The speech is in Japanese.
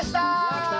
やった！